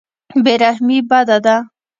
بې رحمي بده ده.